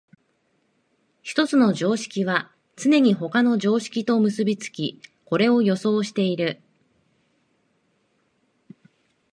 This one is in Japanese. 一つの常識はつねに他の常識と結び付き、これを予想している。